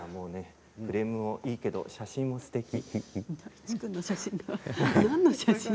フレームもいいけど写真もすてき。